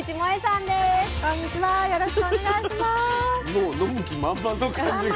もう飲む気満々の感じが。